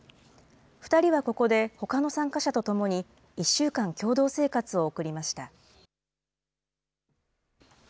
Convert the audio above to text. ２人はここでほかの参加者と共に、１週間共同生活を送りました。